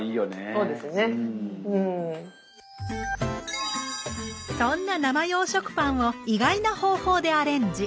そんな生用食パンを意外な方法でアレンジ！